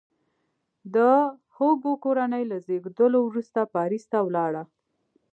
د هوګو کورنۍ له زیږېدلو وروسته پاریس ته ولاړه.